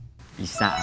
waktu sisa khusus